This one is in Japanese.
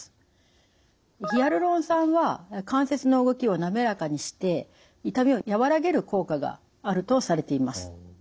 ヒアルロン酸は関節の動きをなめらかにして痛みを和らげる効果があるとされています。